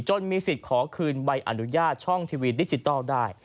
มีสิทธิ์ขอคืนใบอนุญาตช่องทีวีดิจิทัลได้